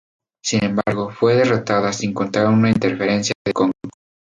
Sin embargo, fue derrotada sin contar una interferencia de Kong.